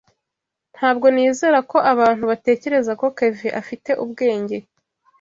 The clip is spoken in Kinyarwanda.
Ntabwo nizera ko abantu batekereza ko Kevin afite ubwenge.